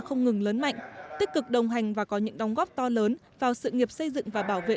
không ngừng lớn mạnh tích cực đồng hành và có những đóng góp to lớn vào sự nghiệp xây dựng và bảo vệ